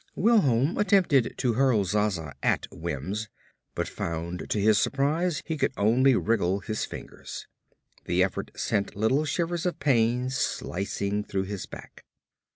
Wilholm attempted to hurl Zsa Zsa at Wims but found to his surprise he could only wriggle his fingers. The effort sent little slivers of pain slicing through his back.